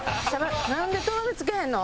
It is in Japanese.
なんでとろみ付けへんの？